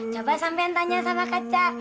coba sampean tanya sama kaca